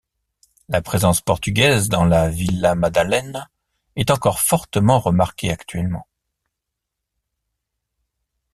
La présence portugaise dans la Vila Madalena est encore fortement remarquée actuellement.